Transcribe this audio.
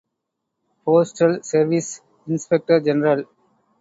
Postal Service inspector general.